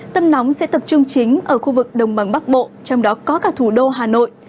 tâm nóng sẽ tập trung chính ở khu vực đồng bằng bắc bộ trong đó có cả thủ đô hà nội